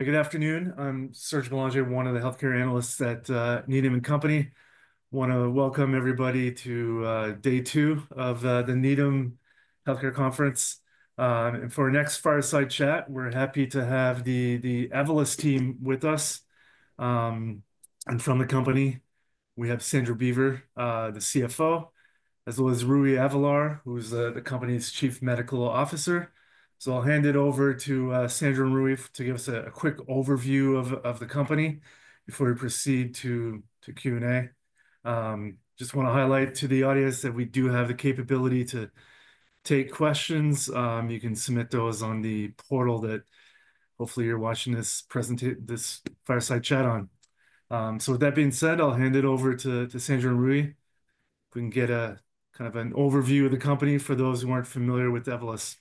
Good afternoon. I'm Serge Boulanger, one of the healthcare analysts at Needham & Company. I want to welcome everybody to day two of the Needham Healthcare Conference. For our next fireside chat, we're happy to have the Evolus team with us and from the company. We have Sandra Beaver, the CFO, as well as Rui Avelar, who's the company's Chief Medical Officer. I'll hand it over to Sandra and Rui to give us a quick overview of the company before we proceed to Q&A. I just want to highlight to the audience that we do have the capability to take questions. You can submit those on the portal that hopefully you're watching this fireside chat on. With that being said, I'll hand it over to Sandra and Rui. We can get a kind of an overview of the company for those who aren't familiar with Evolus.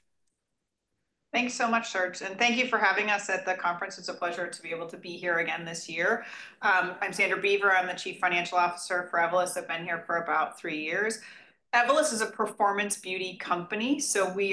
Thanks so much, Serge. Thank you for having us at the conference. It's a pleasure to be able to be here again this year. I'm Sandra Beaver. I'm the Chief Financial Officer for Evolus. I've been here for about three years. Evolus is a performance beauty company.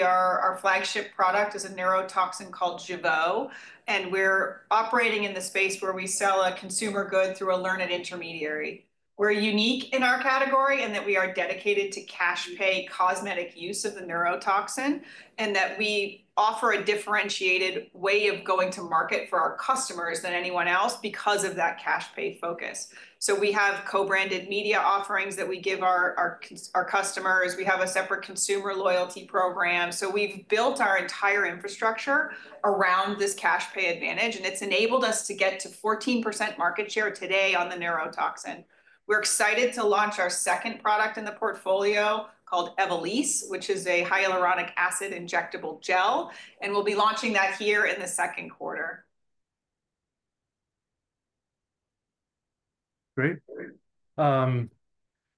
Our flagship product is a neurotoxin called Jeuveau, and we're operating in the space where we sell a consumer good through a learned intermediary. We're unique in our category in that we are dedicated to cash-pay cosmetic use of the neurotoxin and that we offer a differentiated way of going to market for our customers than anyone else because of that cash-pay focus. We have co-branded media offerings that we give our customers. We have a separate consumer loyalty program. We've built our entire infrastructure around this cash-pay advantage, and it's enabled us to get to 14% market share today on the neurotoxin. We're excited to launch our second product in the portfolio called Evolysse, which is a hyaluronic acid injectable gel, and we'll be launching that here in the second quarter. Great.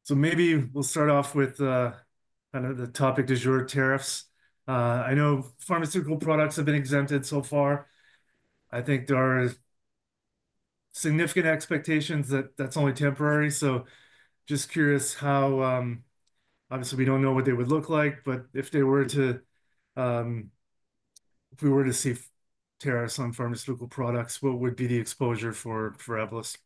Maybe we'll start off with kind of the topic du jour, tariffs. I know pharmaceutical products have been exempted so far. I think there are significant expectations that that's only temporary. Just curious how, obviously, we don't know what they would look like, but if they were to, if we were to see tariffs on pharmaceutical products, what would be the exposure for Evolus?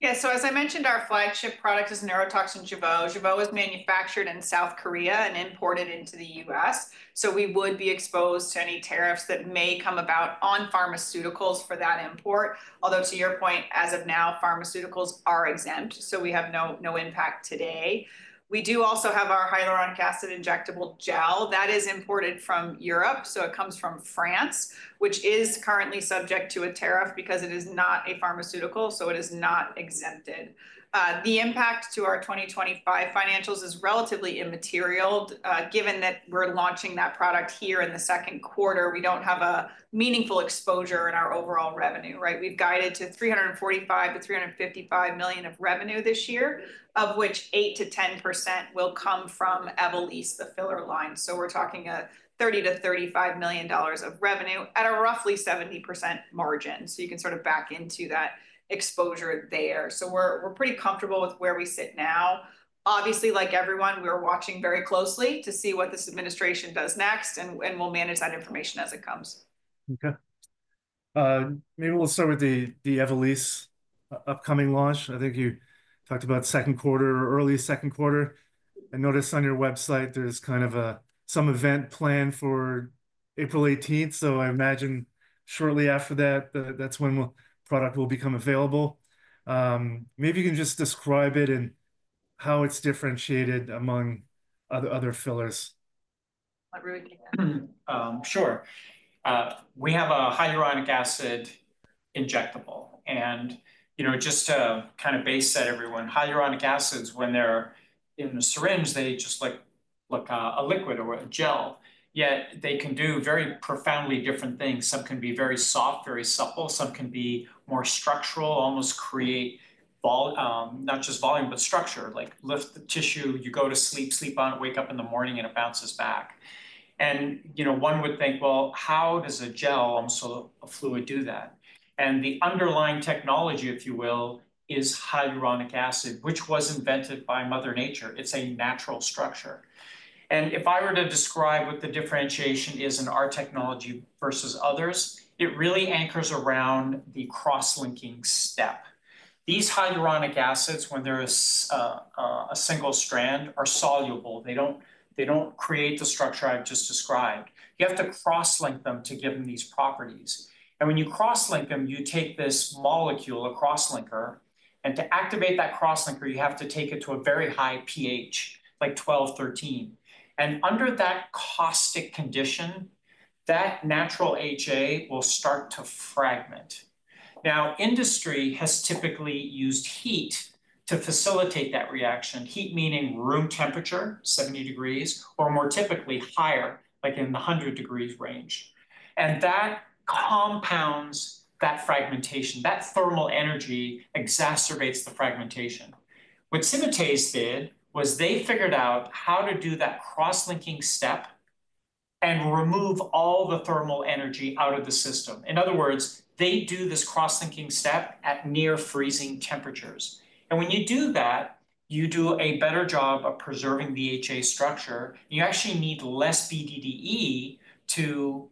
Yeah. As I mentioned, our flagship product is neurotoxin Jeuveau. Jeuveau is manufactured in South Korea and imported into the U.S. We would be exposed to any tariffs that may come about on pharmaceuticals for that import. Although to your point, as of now, pharmaceuticals are exempt, so we have no impact today. We do also have our hyaluronic acid injectable gel that is imported from Europe. It comes from France, which is currently subject to a tariff because it is not a pharmaceutical, so it is not exempted. The impact to our 2025 financials is relatively immaterial. Given that we are launching that product here in the second quarter, we do not have a meaningful exposure in our overall revenue, right? We have guided to $345 million-$355 million of revenue this year, of which 8%-10% will come from Evolysse, the filler line. We're talking a $30-$35 million of revenue at a roughly 70% margin. You can sort of back into that exposure there. We're pretty comfortable with where we sit now. Obviously, like everyone, we're watching very closely to see what this administration does next, and we'll manage that information as it comes. Okay. Maybe we'll start with the Evolysse upcoming launch. I think you talked about second quarter or early second quarter. I noticed on your website there's kind of some event planned for April 18th. I imagine shortly after that, that's when the product will become available. Maybe you can just describe it and how it's differentiated among other fillers. Sure. We have a hyaluronic acid injectable. And just to kind of base that, everyone, hyaluronic acids, when they're in a syringe, they just look like a liquid or a gel. Yet they can do very profoundly different things. Some can be very soft, very supple. Some can be more structural, almost create not just volume, but structure, like lift the tissue. You go to sleep, sleep on it, wake up in the morning, and it bounces back. One would think, well, how does a gel, so a fluid, do that? The underlying technology, if you will, is hyaluronic acid, which was invented by Mother Nature. It's a natural structure. If I were to describe what the differentiation is in our technology versus others, it really anchors around the cross-linking step. These hyaluronic acids, when they're a single strand, are soluble. They don't create the structure I've just described. You have to cross-link them to give them these properties. When you cross-link them, you take this molecule, a cross-linker, and to activate that cross-linker, you have to take it to a very high pH, like 12, 13. Under that caustic condition, that natural HA will start to fragment. Now, industry has typically used heat to facilitate that reaction, heat meaning room temperature, 70 degrees, or more typically higher, like in the 100 degrees range. That compounds that fragmentation. That thermal energy exacerbates the fragmentation. What Symatese did was they figured out how to do that cross-linking step and remove all the thermal energy out of the system. In other words, they do this cross-linking step at near-freezing temperatures. When you do that, you do a better job of preserving the HA structure. You actually need less BDDE to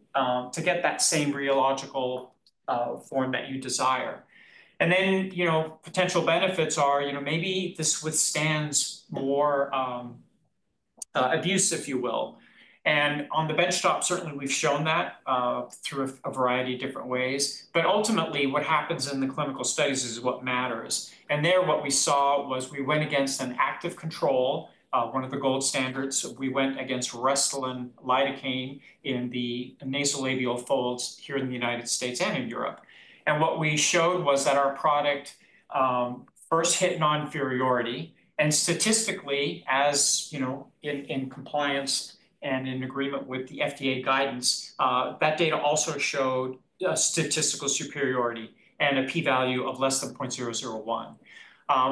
get that same rheological form that you desire. The potential benefits are maybe this withstands more abuse, if you will. On the benchtop, certainly we've shown that through a variety of different ways. Ultimately, what happens in the clinical studies is what matters. There what we saw was we went against an active control, one of the gold standards. We went against Restylane Lidocaine in the nasolabial folds here in the United States and in Europe. What we showed was that our product first hit non-inferiority. Statistically, as in compliance and in agreement with the FDA guidance, that data also showed a statistical superiority and a p-value of less than 0.001.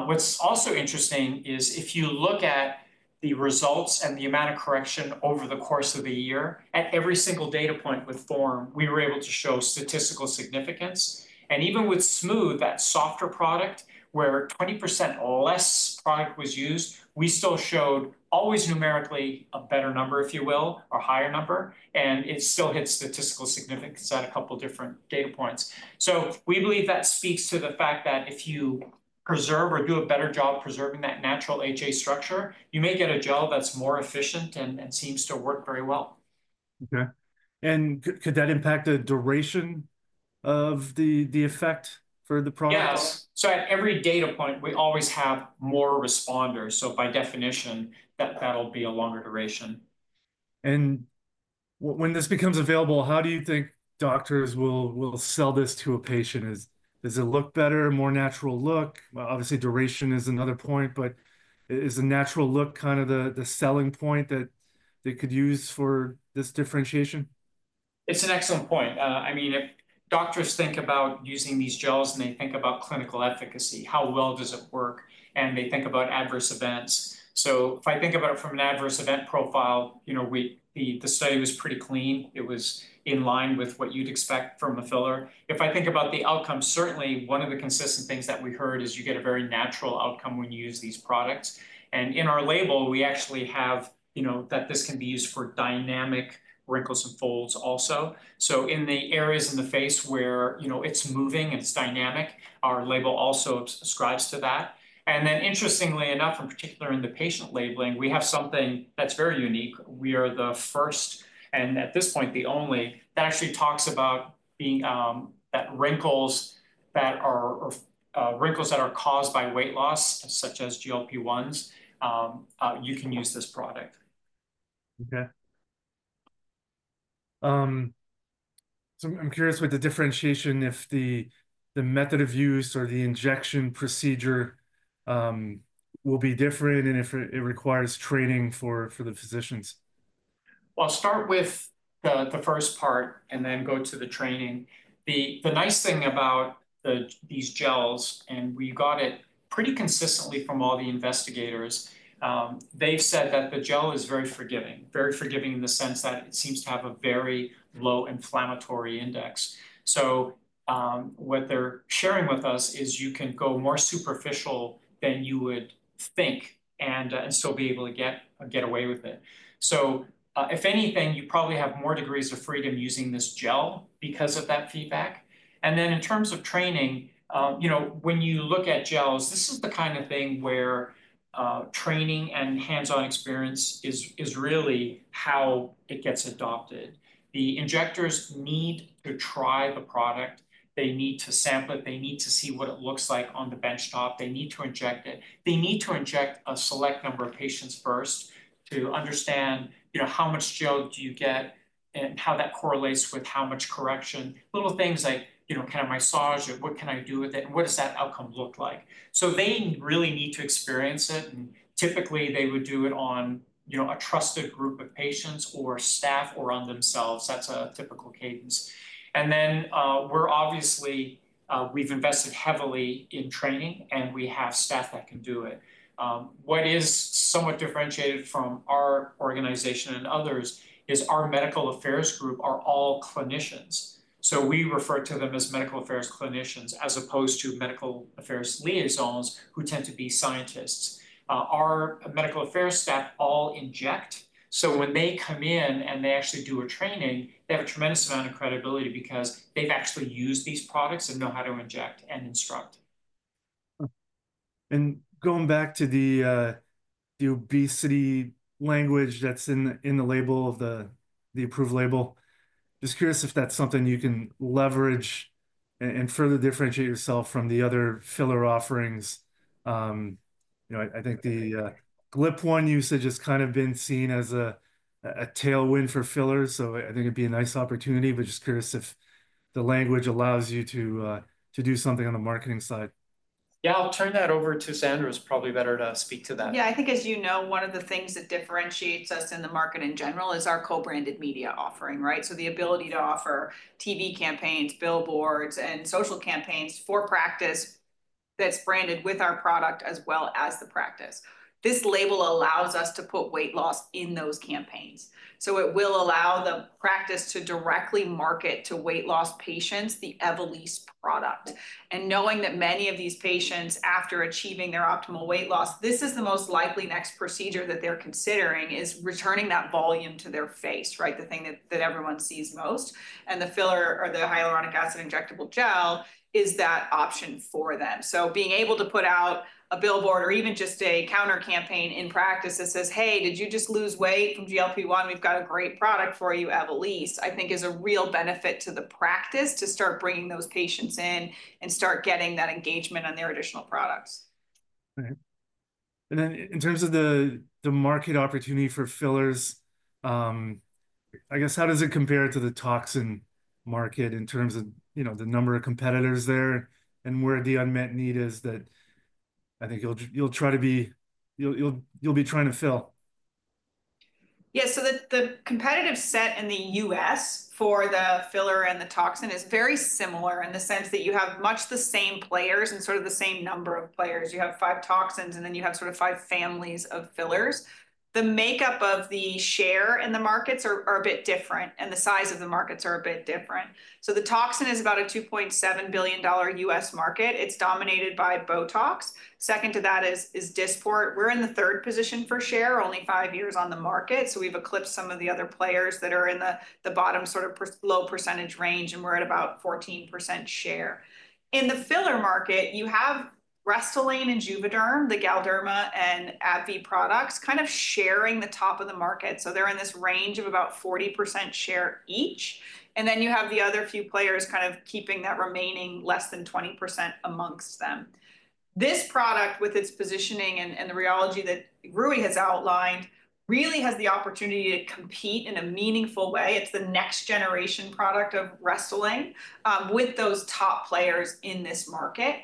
What's also interesting is if you look at the results and the amount of correction over the course of the year, at every single data point with Form, we were able to show statistical significance. Even with Smooth, that softer product, where 20% less product was used, we still showed always numerically a better number, if you will, or higher number. It still hits statistical significance at a couple of different data points. We believe that speaks to the fact that if you preserve or do a better job preserving that natural HA structure, you may get a gel that's more efficient and seems to work very well. Okay. Could that impact the duration of the effect for the product? Yes. At every data point, we always have more responders. By definition, that'll be a longer duration. When this becomes available, how do you think doctors will sell this to a patient? Does it look better, a more natural look? Obviously, duration is another point, but is a natural look kind of the selling point that they could use for this differentiation? It's an excellent point. I mean, if doctors think about using these gels and they think about clinical efficacy, how well does it work? They think about adverse events. If I think about it from an adverse event profile, the study was pretty clean. It was in line with what you'd expect from a filler. If I think about the outcome, certainly one of the consistent things that we heard is you get a very natural outcome when you use these products. In our label, we actually have that this can be used for dynamic wrinkles and folds also. In the areas in the face where it's moving and it's dynamic, our label also ascribes to that. Interestingly enough, in particular in the patient labeling, we have something that's very unique. We are the first and at this point the only that actually talks about those wrinkles that are caused by weight loss, such as GLP-1s. You can use this product. Okay. I'm curious with the differentiation if the method of use or the injection procedure will be different and if it requires training for the physicians. I'll start with the first part and then go to the training. The nice thing about these gels, and we got it pretty consistently from all the investigators, they've said that the gel is very forgiving, very forgiving in the sense that it seems to have a very low inflammatory index. What they're sharing with us is you can go more superficial than you would think and still be able to get away with it. If anything, you probably have more degrees of freedom using this gel because of that feedback. In terms of training, when you look at gels, this is the kind of thing where training and hands-on experience is really how it gets adopted. The injectors need to try the product. They need to sample it. They need to see what it looks like on the benchtop. They need to inject it. They need to inject a select number of patients first to understand how much gel do you get and how that correlates with how much correction. Little things like kind of massage it. What can I do with it? What does that outcome look like? They really need to experience it. Typically, they would do it on a trusted group of patients or staff or on themselves. That's a typical cadence. We're obviously, we've invested heavily in training, and we have staff that can do it. What is somewhat differentiated from our organization and others is our medical affairs group are all clinicians. We refer to them as medical affairs clinicians as opposed to medical affairs liaisons who tend to be scientists. Our medical affairs staff all inject. So, when they come in and they actually do a training, they have a tremendous amount of credibility because they've actually used these products and know how to inject and instruct. Going back to the obesity language that's in the label of the approved label, just curious if that's something you can leverage and further differentiate yourself from the other filler offerings. I think the GLP-1 usage has kind of been seen as a tailwind for fillers. I think it'd be a nice opportunity, but just curious if the language allows you to do something on the marketing side. Yeah, I'll turn that over to Sandra. It's probably better to speak to that. Yeah, I think as you know, one of the things that differentiates us in the market in general is our co-branded media offering, right? The ability to offer TV campaigns, billboards, and social campaigns for practice that's branded with our product as well as the practice. This label allows us to put weight loss in those campaigns. It will allow the practice to directly market to weight loss patients the Evolysse product. And knowing that many of these patients, after achieving their optimal weight loss, this is the most likely next procedure that they're considering is returning that volume to their face, right? The thing that everyone sees most. The filler or the hyaluronic acid injectable gel is that option for them. Being able to put out a billboard or even just a counter campaign in practice that says, "Hey, did you just lose weight from GLP-1? We've got a great product for you, Evolysse," I think is a real benefit to the practice to start bringing those patients in and start getting that engagement on their additional products. Right. In terms of the market opportunity for fillers, I guess how does it compare to the toxin market in terms of the number of competitors there and where the unmet need is that I think you'll try to be, you'll be trying to fill. Yeah. The competitive set in the U.S. for the filler and the toxin is very similar in the sense that you have much the same players and sort of the same number of players. You have five toxins, and then you have sort of five families of fillers. The makeup of the share in the markets are a bit different, and the size of the markets are a bit different. The toxin is about a $2.7 billion U.S. market. It's dominated by Botox. Second to that is Dysport. We're in the third position for share, only five years on the market. We've eclipsed some of the other players that are in the bottom sort of low percentage range, and we're at about 14% share. In the filler market, you have Restylane and Juvéderm, the Galderma and AbbVie products kind of sharing the top of the market. They're in this range of about 40% share each. You have the other few players kind of keeping that remaining less than 20% amongst them. This product, with its positioning and the rheology that Rui has outlined, really has the opportunity to compete in a meaningful way. It's the next generation product of Restylane with those top players in this market.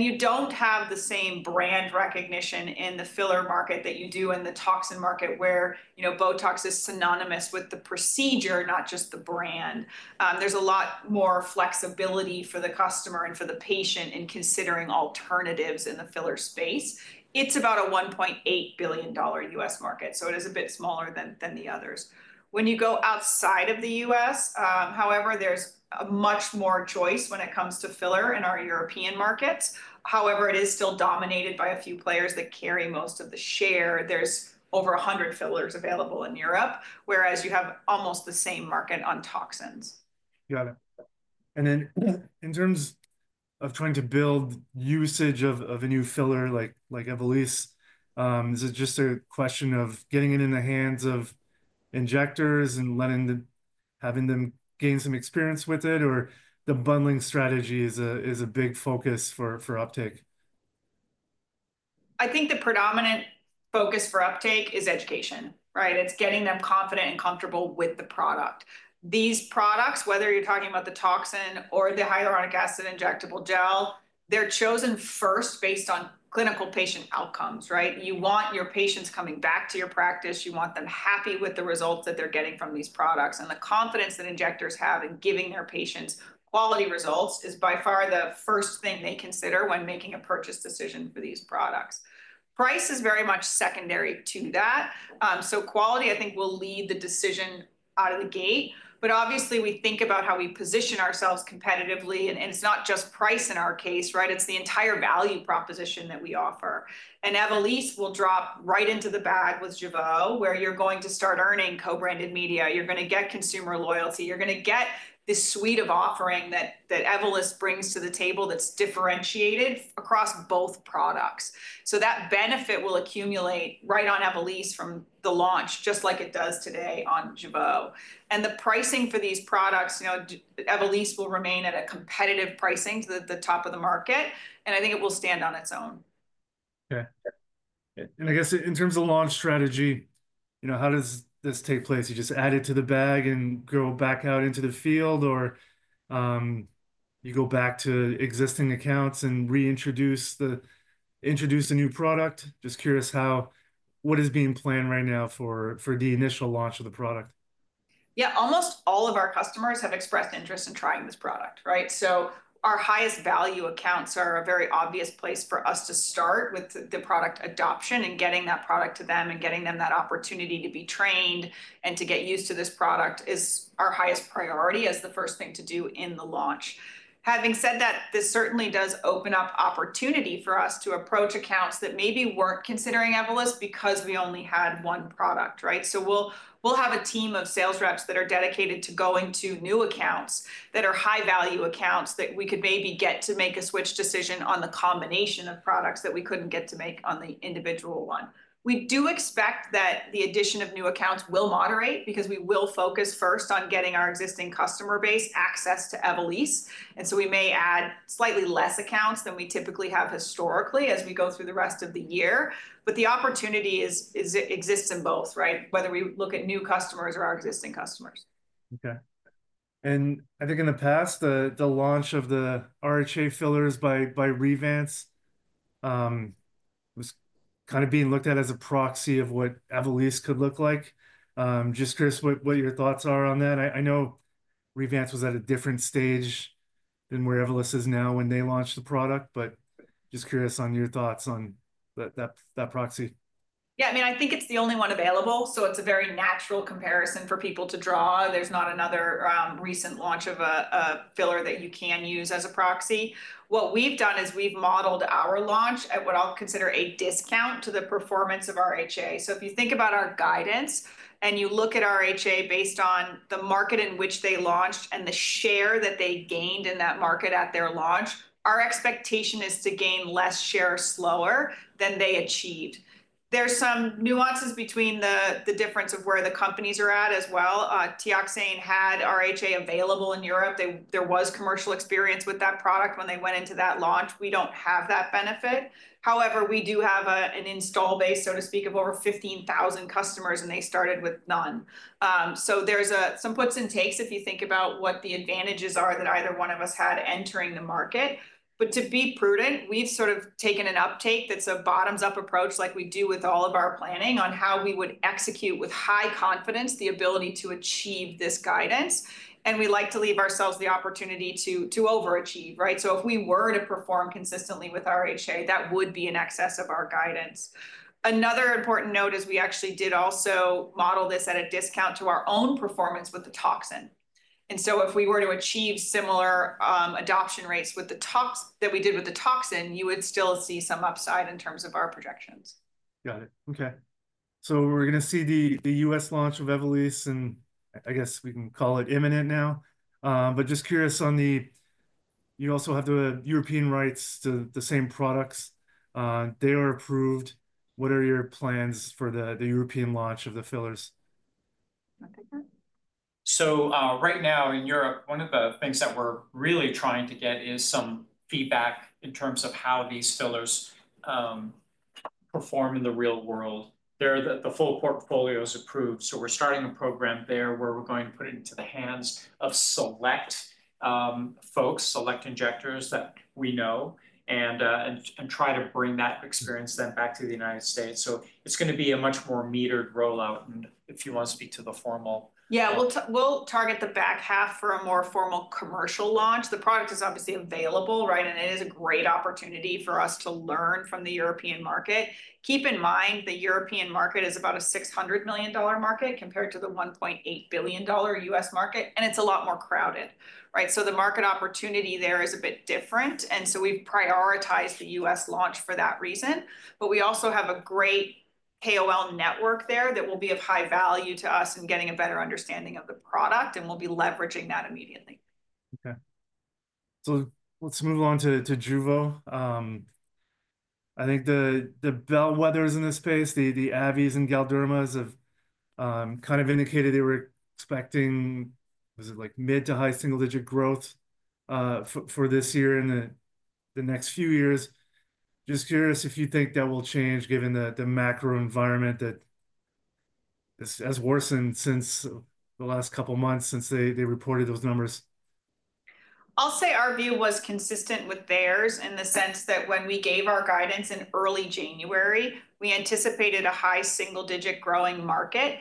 You don't have the same brand recognition in the filler market that you do in the toxin market, where Botox is synonymous with the procedure, not just the brand. There's a lot more flexibility for the customer and for the patient in considering alternatives in the filler space. It's about a $1.8 billion US market. It is a bit smaller than the others. When you go outside of the US, however, there's much more choice when it comes to filler in our European markets. However, it is still dominated by a few players that carry most of the share. There's over 100 fillers available in Europe, whereas you have almost the same market on toxins. Got it. In terms of trying to build usage of a new filler like Evolysse, is it just a question of getting it in the hands of injectors and having them gain some experience with it, or the bundling strategy is a big focus for uptake? I think the predominant focus for uptake is education, right? It's getting them confident and comfortable with the product. These products, whether you're talking about the toxin or the hyaluronic acid injectable gel, they're chosen first based on clinical patient outcomes, right? You want your patients coming back to your practice. You want them happy with the results that they're getting from these products. The confidence that injectors have in giving their patients quality results is by far the first thing they consider when making a purchase decision for these products. Price is very much secondary to that. Quality, I think, will lead the decision out of the gate. Obviously, we think about how we position ourselves competitively. It's not just price in our case, right? It's the entire value proposition that we offer. Evolysse will drop right into the bag with Jeuveau, where you're going to start earning co-branded media. You're going to get consumer loyalty. You're going to get the suite of offering that Evolysse brings to the table that's differentiated across both products. That benefit will accumulate right on Evolysse from the launch, just like it does today on Jeuveau. The pricing for these products, Evolysse will remain at a competitive pricing to the top of the market. I think it will stand on its own. Okay. I guess in terms of launch strategy, how does this take place? You just add it to the bag and go back out into the field, or you go back to existing accounts and reintroduce a new product? Just curious what is being planned right now for the initial launch of the product. Yeah. Almost all of our customers have expressed interest in trying this product, right? Our highest value accounts are a very obvious place for us to start with the product adoption and getting that product to them and getting them that opportunity to be trained and to get used to this product is our highest priority as the first thing to do in the launch. Having said that, this certainly does open up opportunity for us to approach accounts that maybe were not considering Evolysse because we only had one product, right? We will have a team of sales reps that are dedicated to going to new accounts that are high-value accounts that we could maybe get to make a switch decision on the combination of products that we could not get to make on the individual one. We do expect that the addition of new accounts will moderate because we will focus first on getting our existing customer base access to Evolysse. We may add slightly fewer accounts than we typically have historically as we go through the rest of the year. The opportunity exists in both, right? Whether we look at new customers or our existing customers. Okay. I think in the past, the launch of the RHA fillers by Revance was kind of being looked at as a proxy of what Evolysse could look like. Just curious what your thoughts are on that. I know Revance was at a different stage than where Evolysse is now when they launched the product, but just curious on your thoughts on that proxy. Yeah. I mean, I think it's the only one available. So it's a very natural comparison for people to draw. There's not another recent launch of a filler that you can use as a proxy. What we've done is we've modeled our launch at what I'll consider a discount to the performance of RHA. So if you think about our guidance and you look at RHA based on the market in which they launched and the share that they gained in that market at their launch, our expectation is to gain less share slower than they achieved. There's some nuances between the difference of where the companies are at as well. Teoxane had RHA available in Europe. There was commercial experience with that product when they went into that launch. We don't have that benefit. However, we do have an install base, so to speak, of over 15,000 customers, and they started with none. There are some puts and takes if you think about what the advantages are that either one of us had entering the market. To be prudent, we've sort of taken an uptake that's a bottoms-up approach like we do with all of our planning on how we would execute with high confidence the ability to achieve this guidance. We like to leave ourselves the opportunity to overachieve, right? If we were to perform consistently with RHA, that would be in excess of our guidance. Another important note is we actually did also model this at a discount to our own performance with the toxin. And so If we were to achieve similar adoption rates that we did with the toxin, you would still see some upside in terms of our projections. Got it. Okay. We're going to see the US launch of Evolysse, and I guess we can call it imminent now. Just curious on the you also have the European rights to the same products. They are approved. What are your plans for the European launch of the fillers? Right now in Europe, one of the things that we're really trying to get is some feedback in terms of how these fillers perform in the real world. The full portfolio is approved. We're starting a program there where we're going to put it into the hands of select folks, select injectors that we know, and try to bring that experience then back to the United States. It's going to be a much more metered rollout if you want to speak to the formal. Yeah. We'll target the back half for a more formal commercial launch. The product is obviously available, right? It is a great opportunity for us to learn from the European market. Keep in mind the European market is about a $600 million market compared to the $1.8 billion US market, and it is a lot more crowded, right? The market opportunity there is a bit different. We have prioritized the US launch for that reason. We also have a great KOL network there that will be of high value to us in getting a better understanding of the product, and we'll be leveraging that immediately. Okay. Let's move on to Jeuveau. I think the bellwethers in this space, the AbbVie’s and Galderma’s, have kind of indicated they were expecting, was it like mid to high single-digit growth for this year and the next few years. Just curious if you think that will change given the macro environment that has worsened since the last couple of months since they reported those numbers. I'll say our view was consistent with theirs in the sense that when we gave our guidance in early January, we anticipated a high single-digit growing market.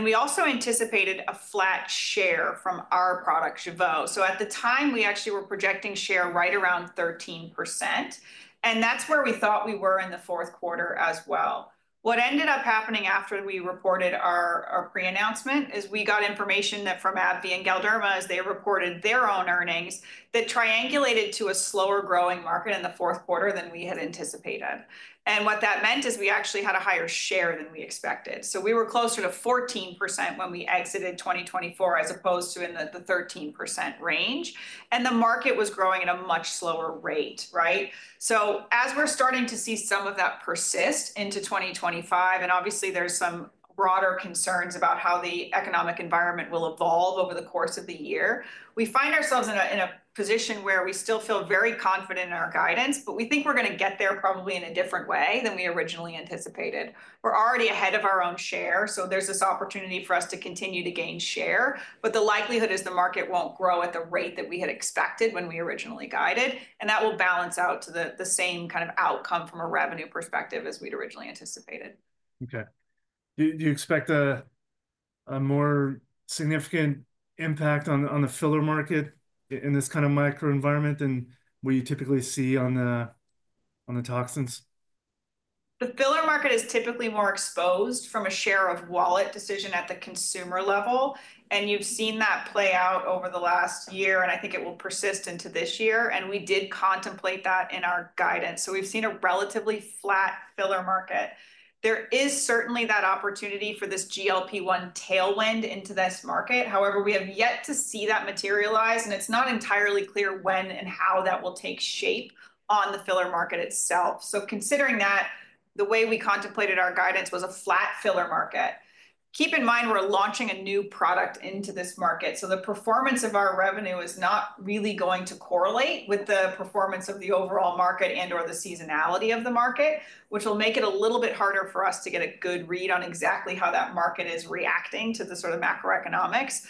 We also anticipated a flat share from our product, Jeuveau. At the time, we actually were projecting share right around 13%. That's where we thought we were in the fourth quarter as well. What ended up happening after we reported our pre-announcement is we got information from AbbVie and Galderma as they reported their own earnings that triangulated to a slower growing market in the fourth quarter than we had anticipated. What that meant is we actually had a higher share than we expected. We were closer to 14% when we exited 2024 as opposed to in the 13% range. The market was growing at a much slower rate, right? As we're starting to see some of that persist into 2025, and obviously there's some broader concerns about how the economic environment will evolve over the course of the year, we find ourselves in a position where we still feel very confident in our guidance, but we think we're going to get there probably in a different way than we originally anticipated. We're already ahead of our own share. There's this opportunity for us to continue to gain share. The likelihood is the market won't grow at the rate that we had expected when we originally guided. That will balance out to the same kind of outcome from a revenue perspective as we'd originally anticipated. Okay. Do you expect a more significant impact on the filler market in this kind of micro environment than what you typically see on the toxins? The filler market is typically more exposed from a share of wallet decision at the consumer level. You have seen that play out over the last year, and I think it will persist into this year. We did contemplate that in our guidance. We have seen a relatively flat filler market. There is certainly that opportunity for this GLP-1 tailwind into this market. However, we have yet to see that materialize. It is not entirely clear when and how that will take shape on the filler market itself. Considering that, the way we contemplated our guidance was a flat filler market. Keep in mind we are launching a new product into this market. The performance of our revenue is not really going to correlate with the performance of the overall market and/or the seasonality of the market, which will make it a little bit harder for us to get a good read on exactly how that market is reacting to the sort of macroeconomics.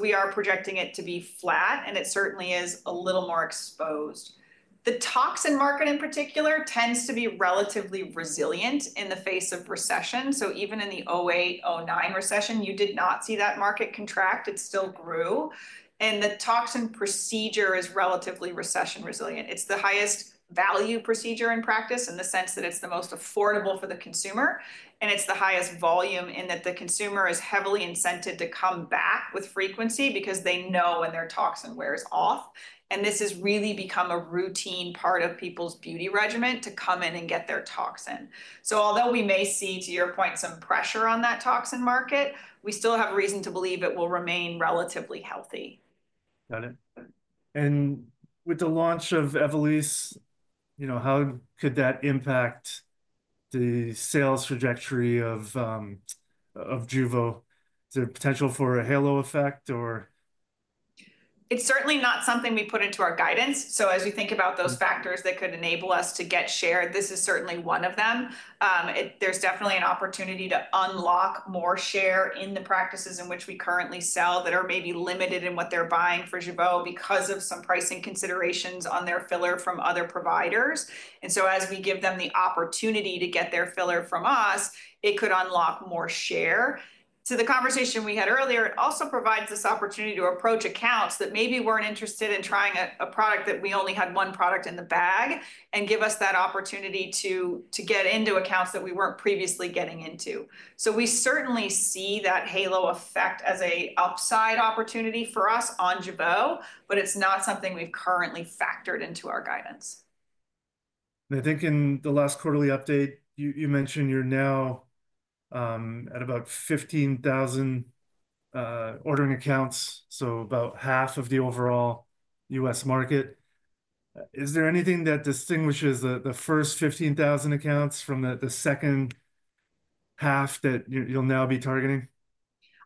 We are projecting it to be flat, and it certainly is a little more exposed. The toxin market in particular tends to be relatively resilient in the face of recession. Even in the 2008, 2009 recession, you did not see that market contract. It still grew. The toxin procedure is relatively recession resilient. It is the highest value procedure in practice in the sense that it is the most affordable for the consumer. It is the highest volume in that the consumer is heavily incented to come back with frequency because they know when their toxin wears off. This has really become a routine part of people's beauty regimen to come in and get their toxin. Although we may see, to your point, some pressure on that toxin market, we still have reason to believe it will remain relatively healthy. Got it. With the launch of Evolysse, how could that impact the sales trajectory of Jeuveau? Is there a potential for a halo effect, or? It's certainly not something we put into our guidance. As we think about those factors that could enable us to get share, this is certainly one of them. There's definitely an opportunity to unlock more share in the practices in which we currently sell that are maybe limited in what they're buying for Jeuveau because of some pricing considerations on their filler from other providers. As we give them the opportunity to get their filler from us, it could unlock more share. To the conversation we had earlier, it also provides this opportunity to approach accounts that maybe weren't interested in trying a product when we only had one product in the bag and give us that opportunity to get into accounts that we weren't previously getting into. We certainly see that halo effect as an upside opportunity for us on Jeuveau, but it's not something we've currently factored into our guidance. I think in the last quarterly update, you mentioned you're now at about 15,000 ordering accounts, so about half of the overall U.S. market. Is there anything that distinguishes the first 15,000 accounts from the second half that you'll now be targeting?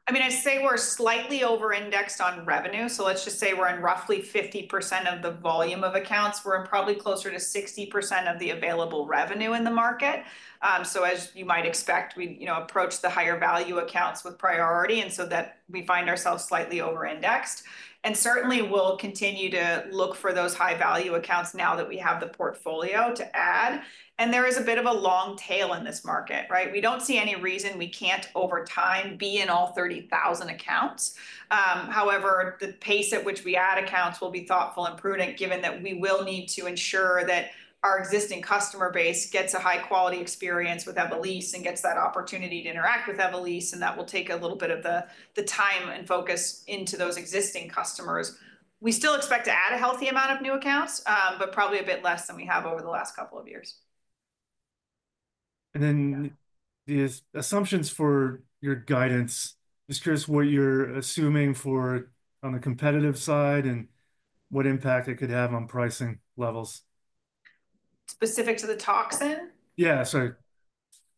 I mean, I'd say we're slightly over-indexed on revenue. Let's just say we're in roughly 50% of the volume of accounts. We're in probably closer to 60% of the available revenue in the market. As you might expect, we approach the higher value accounts with priority, and we find ourselves slightly over-indexed. Certainly, we'll continue to look for those high-value accounts now that we have the portfolio to add. There is a bit of a long tail in this market, right? We don't see any reason we can't over time be in all 30,000 accounts. However, the pace at which we add accounts will be thoughtful and prudent given that we will need to ensure that our existing customer base gets a high-quality experience with Evolysse and gets that opportunity to interact with Evolysse. That will take a little bit of the time and focus into those existing customers. We still expect to add a healthy amount of new accounts, but probably a bit less than we have over the last couple of years. The assumptions for your guidance, just curious what you're assuming on the competitive side and what impact it could have on pricing levels. Specific to the toxin? Yeah, sorry.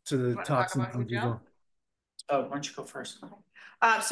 To the toxin on Jeuveau. Oh, why don't you go first?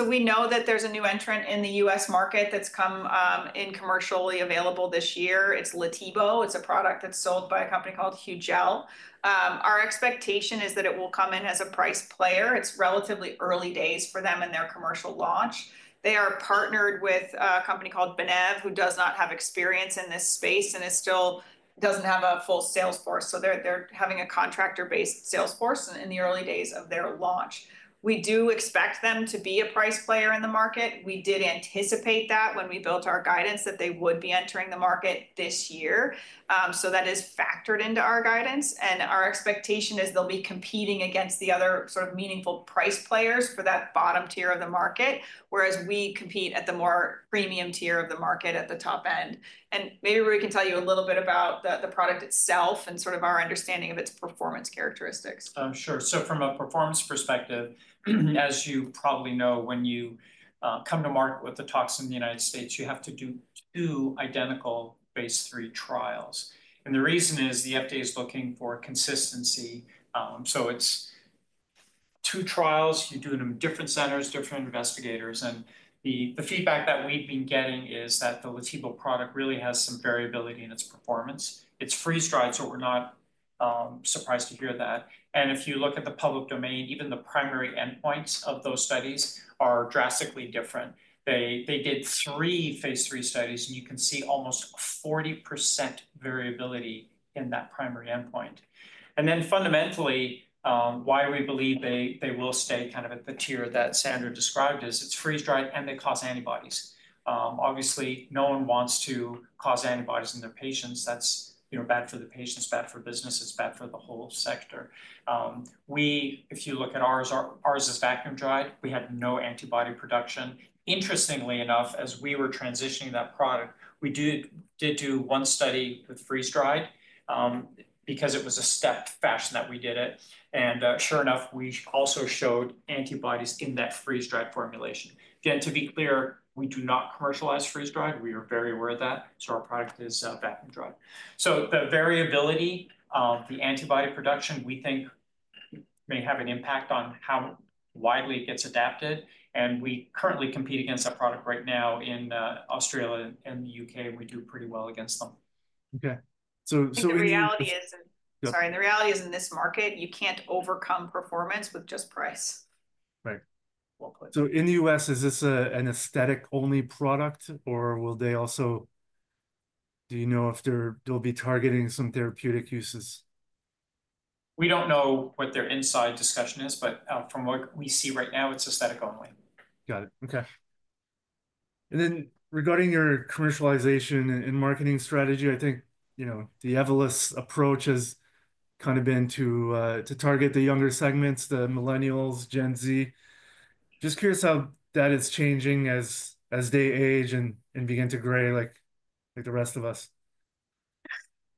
We know that there's a new entrant in the US market that's come in commercially available this year. It's Letybo. It's a product that's sold by a company called Hugel. Our expectation is that it will come in as a price player. It's relatively early days for them in their commercial launch. They are partnered with a company called Benev, who does not have experience in this space and still does not have a full salesforce. They are having a contractor-based salesforce in the early days of their launch. We do expect them to be a price player in the market. We did anticipate that when we built our guidance that they would be entering the market this year. That is factored into our guidance. Our expectation is they'll be competing against the other sort of meaningful price players for that bottom tier of the market, whereas we compete at the more premium tier of the market at the top end. Maybe we can tell you a little bit about the product itself and sort of our understanding of its performance characteristics. Sure. From a performance perspective, as you probably know, when you come to market with the toxin in the United States, you have to do two identical phase three trials. The reason is the FDA is looking for consistency. It is two trials. You do it in different centers, different investigators. The feedback that we have been getting is that the Letybo product really has some variability in its performance. It is freeze-dried, so we are not surprised to hear that. If you look at the public domain, even the primary endpoints of those studies are drastically different. They did three phase three studies, and you can see almost 40% variability in that primary endpoint. Fundamentally, why we believe they will stay kind of at the tier that Sandra described is it is freeze-dried and they cause antibodies. Obviously, no one wants to cause antibodies in their patients. That's bad for the patients, bad for business, it's bad for the whole sector. If you look at ours, ours is vacuum-dried. We had no antibody production. Interestingly enough, as we were transitioning that product, we did do one study with freeze-dried because it was a stepped fashion that we did it. Sure enough, we also showed antibodies in that freeze-dried formulation. Again, to be clear, we do not commercialize freeze-dried. We are very aware of that. Our product is vacuum-dried. The variability of the antibody production, we think, may have an impact on how widely it gets adapted. We currently compete against that product right now in Australia and the U.K. We do pretty well against them. Okay. So. The reality is, in this market, you can't overcome performance with just price. Right. In the US, is this an aesthetic-only product, or will they also, do you know if they'll be targeting some therapeutic uses? We don't know what their inside discussion is, but from what we see right now, it's aesthetic-only. Got it. Okay. Regarding your commercialization and marketing strategy, I think the Evolus approach has kind of been to target the younger segments, the millennials, Gen Z. Just curious how that is changing as they age and begin to gray like the rest of us.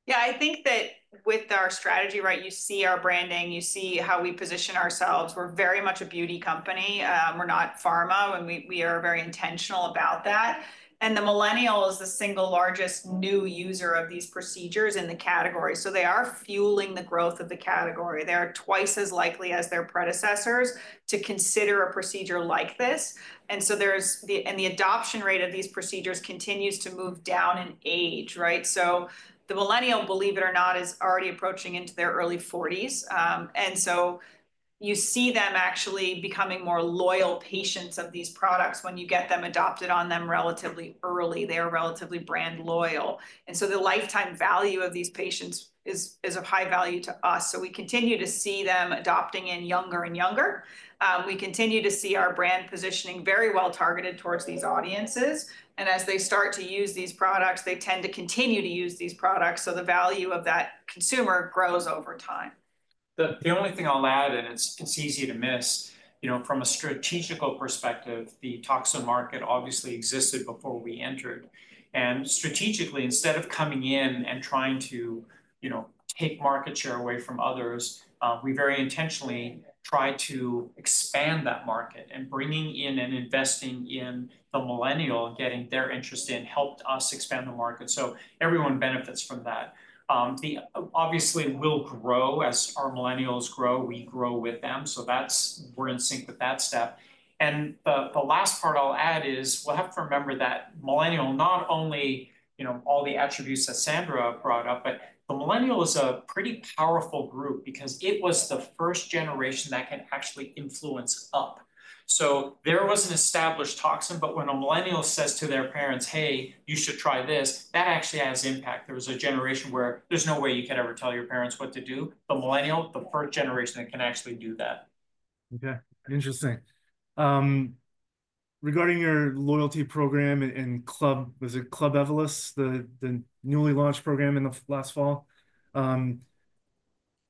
Yeah, I think that with our strategy, right, you see our branding, you see how we position ourselves. We're very much a beauty company. We're not pharma, and we are very intentional about that. The millennial is the single largest new user of these procedures in the category. They are fueling the growth of the category. They are twice as likely as their predecessors to consider a procedure like this. The adoption rate of these procedures continues to move down in age, right? The millennial, believe it or not, is already approaching into their early 40s. You see them actually becoming more loyal patients of these products when you get them adopted on them relatively early. They are relatively brand loyal. The lifetime value of these patients is of high value to us. We continue to see them adopting in younger and younger. We continue to see our brand positioning very well targeted towards these audiences. As they start to use these products, they tend to continue to use these products. The value of that consumer grows over time. The only thing I'll add, and it's easy to miss, from a strategical perspective, the toxin market obviously existed before we entered. Strategically, instead of coming in and trying to take market share away from others, we very intentionally try to expand that market and bringing in and investing in the millennial and getting their interest in helped us expand the market. Everyone benefits from that. The market obviously will grow as our millennials grow, we grow with them. That is, we're in sync with that step. The last part I'll add is we have to remember that millennial, not only all the attributes that Sandra brought up, but the millennial is a pretty powerful group because it was the first generation that can actually influence up. There was an established toxin, but when a millennial says to their parents, "Hey, you should try this," that actually has impact. There was a generation where there's no way you could ever tell your parents what to do. The millennial, the first generation that can actually do that. Okay. Interesting. Regarding your loyalty program and club, was it Club Evolysse, the newly launched program in the last fall?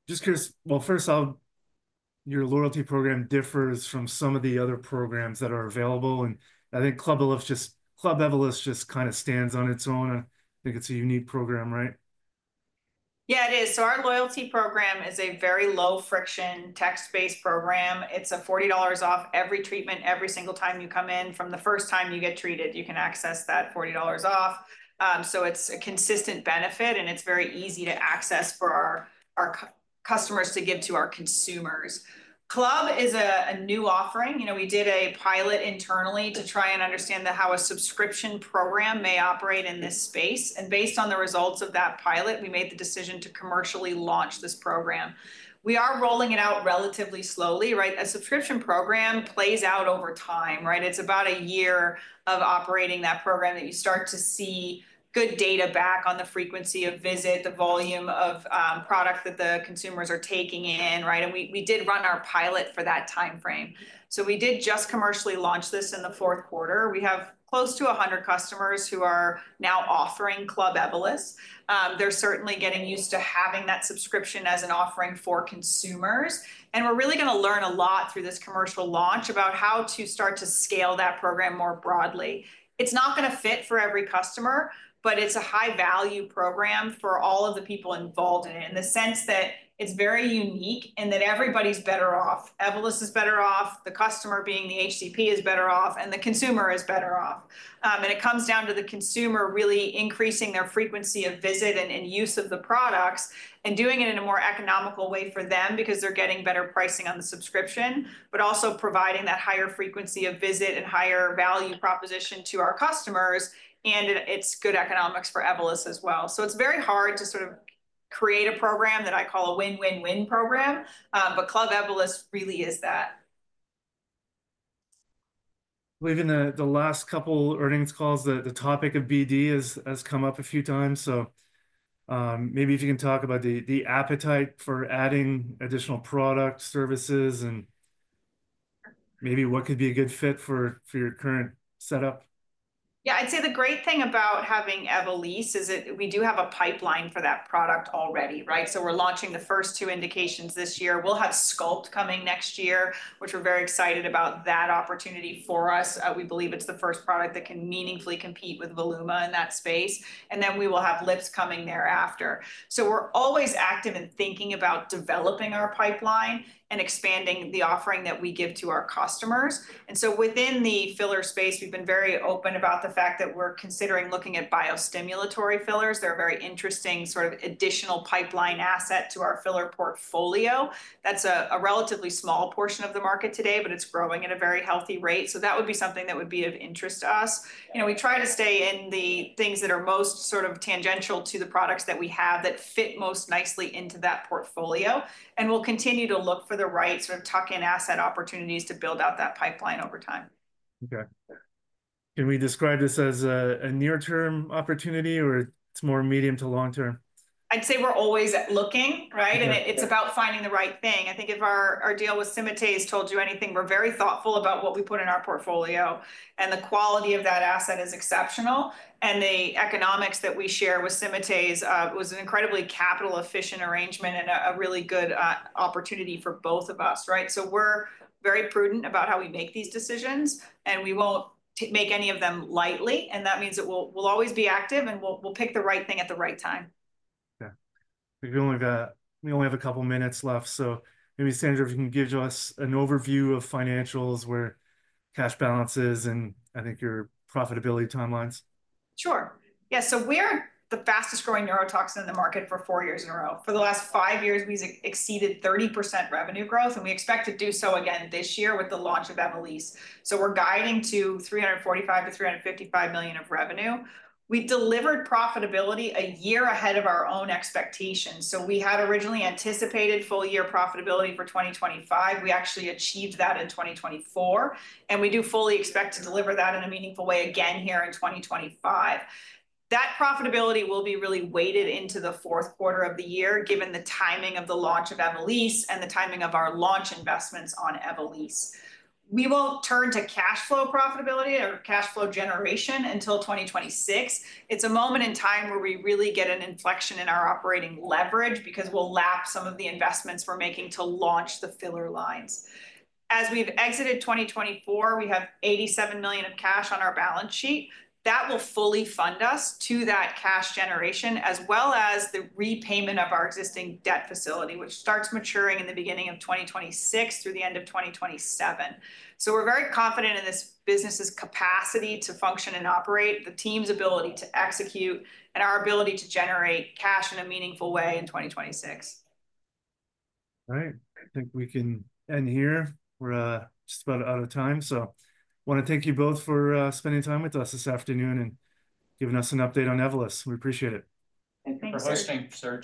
Just curious, first off, your loyalty program differs from some of the other programs that are available. I think Club Evolysse just kind of stands on its own. I think it's a unique program, right? Yeah, it is. Our loyalty program is a very low-friction text-based program. It's $40 off every treatment every single time you come in. From the first time you get treated, you can access that $40 off. It's a consistent benefit, and it's very easy to access for our customers to give to our consumers. Club is a new offering. We did a pilot internally to try and understand how a subscription program may operate in this space. Based on the results of that pilot, we made the decision to commercially launch this program. We are rolling it out relatively slowly, right? A subscription program plays out over time, right? It's about a year of operating that program that you start to see good data back on the frequency of visit, the volume of product that the consumers are taking in, right? We did run our pilot for that timeframe. We did just commercially launch this in the fourth quarter. We have close to 100 customers who are now offering Club Evolysse. They're certainly getting used to having that subscription as an offering for consumers. We're really going to learn a lot through this commercial launch about how to start to scale that program more broadly. It's not going to fit for every customer, but it's a high-value program for all of the people involved in it in the sense that it's very unique and that everybody's better off. Evolus is better off, the customer being the HCP is better off, and the consumer is better off. It comes down to the consumer really increasing their frequency of visit and use of the products and doing it in a more economical way for them because they're getting better pricing on the subscription, but also providing that higher frequency of visit and higher value proposition to our customers. It's good economics for Evolus as well. It's very hard to sort of create a program that I call a win-win-win program, but Club Evolysse really is that. Believe in the last couple earnings calls, the topic of BD has come up a few times. Maybe if you can talk about the appetite for adding additional product services and maybe what could be a good fit for your current setup. Yeah, I'd say the great thing about having Evolysse is that we do have a pipeline for that product already, right? We're launching the first two indications this year. We'll have Sculpt coming next year, which we're very excited about that opportunity for us. We believe it's the first product that can meaningfully compete with Voluma in that space. We will have Lips coming thereafter. We're always active in thinking about developing our pipeline and expanding the offering that we give to our customers. Within the filler space, we've been very open about the fact that we're considering looking at biostimulatory fillers. They're a very interesting sort of additional pipeline asset to our filler portfolio. That's a relatively small portion of the market today, but it's growing at a very healthy rate. That would be something that would be of interest to us. We try to stay in the things that are most sort of tangential to the products that we have that fit most nicely into that portfolio. We will continue to look for the right sort of tuck-in asset opportunities to build out that pipeline over time. Okay. Can we describe this as a near-term opportunity or it's more medium to long-term? I'd say we're always looking, right? It's about finding the right thing. I think if our deal with Symatese told you anything, we're very thoughtful about what we put in our portfolio. The quality of that asset is exceptional. The economics that we share with Symatese was an incredibly capital-efficient arrangement and a really good opportunity for both of us, right? We're very prudent about how we make these decisions, and we won't make any of them lightly. That means that we'll always be active and we'll pick the right thing at the right time. Okay. We only have a couple minutes left. Maybe Sandra, if you can give us an overview of financials, where cash balances, and I think your profitability timelines. Sure. Yeah. So we're the fastest-growing neurotoxin in the market for four years in a row. For the last five years, we've exceeded 30% revenue growth, and we expect to do so again this year with the launch of Evolysse. So we're guiding to $345-$355 million of revenue. We delivered profitability a year ahead of our own expectations. We had originally anticipated full-year profitability for 2025. We actually achieved that in 2024. We do fully expect to deliver that in a meaningful way again here in 2025. That profitability will be really weighted into the fourth quarter of the year given the timing of the launch of Evolysse and the timing of our launch investments on Evolysse. We won't turn to cash flow profitability or cash flow generation until 2026. It's a moment in time where we really get an inflection in our operating leverage because we'll lap some of the investments we're making to launch the filler lines. As we've exited 2024, we have $87 million of cash on our balance sheet. That will fully fund us to that cash generation as well as the repayment of our existing debt facility, which starts maturing in the beginning of 2026 through the end of 2027. We are very confident in this business's capacity to function and operate, the team's ability to execute, and our ability to generate cash in a meaningful way in 2026. All right. I think we can end here. We're just about out of time. I want to thank you both for spending time with us this afternoon and giving us an update on Evolus. We appreciate it. Thanks for hosting, sir.